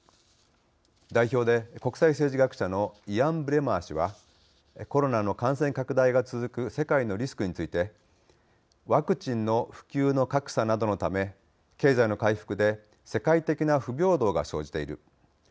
代表で国際政治学者のイアン・ブレマー氏はコロナの感染拡大が続く世界のリスクについて「ワクチンの普及の格差などのため経済の回復で世界的な不平等が生じている。